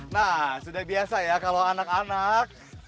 nah sudah biasa ya kalau anak anak